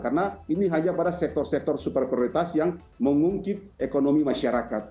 karena ini hanya pada sektor sektor super prioritas yang mengungkit ekonomi masyarakat